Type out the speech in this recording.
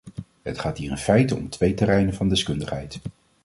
Het gaat hier in feite om twee terreinen van deskundigheid.